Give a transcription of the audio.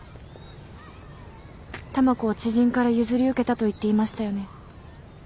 たまこは知人から譲り受けたと言っていましたよね。